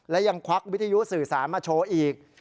และยังควักวิทยุสื่อสารมาโชว์อีก